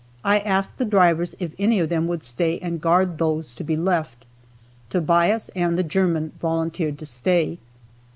I asked the drivers if any of them would stay and guard those to be left. Tobias and the German volunteered to stay.